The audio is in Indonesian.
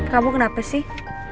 kamu kenapa sih